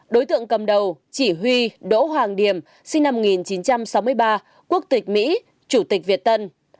đối tượng cầm đầu chỉ huy đỗ hoàng điểm sinh năm một nghìn chín trăm sáu mươi ba quốc tịch mỹ chủ tịch việt tân